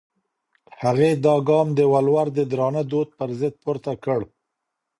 هغې دا ګام د ولور د درانه دود پر ضد پورته کړ.